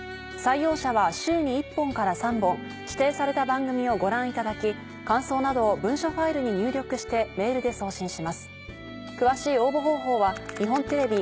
採用者は週に１本から３本指定された番組をご覧いただき感想などを文書ファイルに入力してメールで送信します。